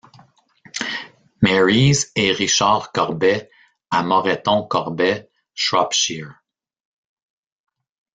Mary's, et Richard Corbet, à Moreton Corbet, Shropshire.